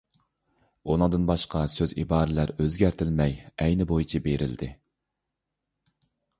ئۇنىڭدىن باشقا سۆز-ئىبارىلەر ئۆزگەرتىلمەي، ئەينى بويىچە بېرىلدى.